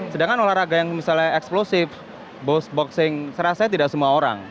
sedangkan olahraga yang misalnya eksplosif boxing serasanya tidak semua orang